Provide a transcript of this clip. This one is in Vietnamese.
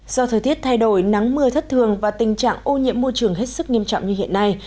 do thời tiết thay đổi nắng mưa thất thường và tình trạng ô nhiễm môi trường hết sức nghiêm trọng như hiện nay